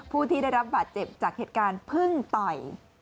ผู้ที่ได้รับบาดเจ็บจากเหตุการณ์เพิ่งต่อย